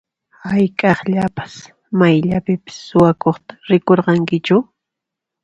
Hayk'aqllapas mayllapipas suwakuqta rikurqankichu?